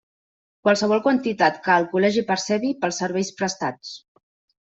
Qualsevol quantitat que el Col·legi percebi pels serveis prestats.